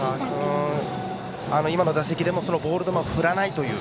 今の打席でもボール球を振らないという。